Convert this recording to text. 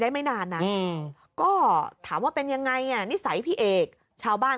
ไม่นานนะก็ถามว่าเป็นยังไงอ่ะนิสัยพี่เอกชาวบ้าน